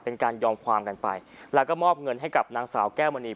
เป็นการยอมความกันไปแล้วก็มอบเงินให้กับนางสาวแก้วมณี